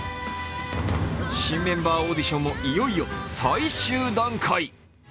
新メンバーオーディションもいよいよ最終段階。